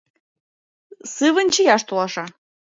Сывын чияш толаша.